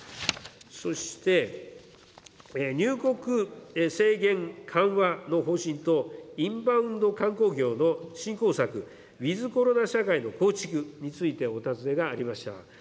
そして、入国制限緩和の方針と、インバウンド観光業の振興策、ウィズコロナ社会の構築について、お尋ねがありました。